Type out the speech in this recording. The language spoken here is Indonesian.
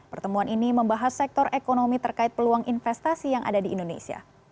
pertemuan ini membahas sektor ekonomi terkait peluang investasi yang ada di indonesia